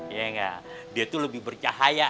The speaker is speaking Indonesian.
iya nggak dia tuh lebih bercahaya